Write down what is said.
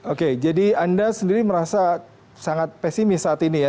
oke jadi anda sendiri merasa sangat pesimis saat ini ya